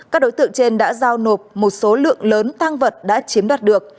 các đối tượng trên đã giao nộp một số lượng lớn tăng vật đã chiếm đoạt được